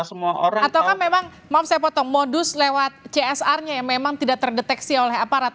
semua orang atau kan memang mau saya potong modus lewat csr nya yang memang tidak terdeteksi oleh aparat